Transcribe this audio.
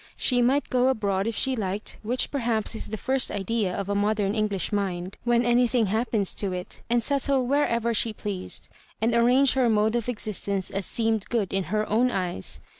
She might go abroad if she liked, which perhaps is the first idea of a modern English mind when anything happens to it, and settle wherever she pleased, and arrange her mode of existence as seemed good in her own eyes.